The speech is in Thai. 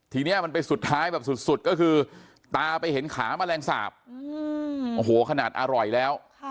ทีนี้มันไปสุดท้ายแบบสุดก็คือตาไปเห็นขาแมลงสาปโอ้โหขนาดอร่อยแล้ว